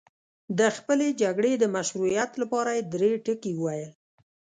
د خپلې جګړې د مشروعیت لپاره یې درې ټکي وویل.